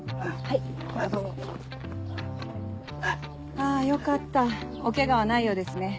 あぁよかったおケガはないようですね。